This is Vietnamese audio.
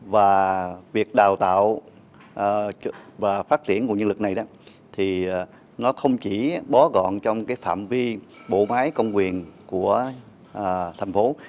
và việc đào tạo và phát triển nguồn nhân lực này thì nó không chỉ bó gọn trong cái phạm vi bộ máy công quyền của thành phố